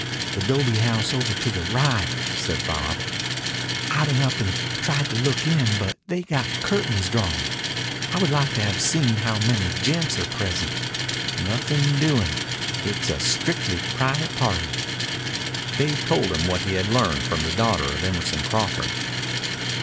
"The 'dobe house over to the right," said Bob. "I been up and tried to look in, but they got curtains drawn. I would've like to 've seen how many gents are present. Nothin' doin'. It's a strictly private party." Dave told him what he had learned from the daughter of Emerson Crawford.